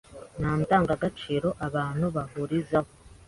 ndangagaciro abantu bahurizaho